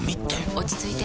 落ち着いて。